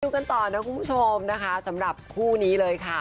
กันต่อนะคุณผู้ชมนะคะสำหรับคู่นี้เลยค่ะ